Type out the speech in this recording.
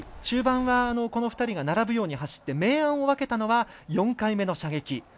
中盤は、この２人が並ぶように走って明暗を分けたのは４回目の射撃。